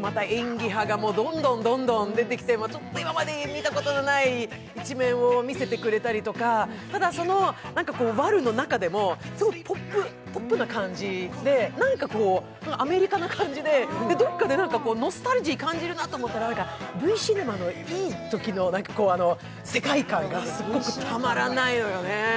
また演技派がどんどん出てきて、ちょっと今まで見たことのない一面を見せてくれたりとかただそのワルの中でもポップな感じで何かアメリカな感じでどこかでノスタルジーを感じるなと思ったら、Ｖシネマのいいときの世界観がすごくたまらないのよね。